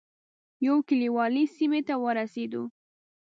یو کلیوالي سیمې ته ورسېدو.